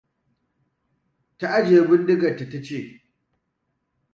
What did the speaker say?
Ta ajiye bindigarta ta ce: